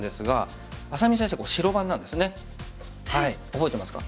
覚えてますか？